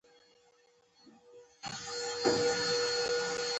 • خندا د ښې روغتیا راز دی.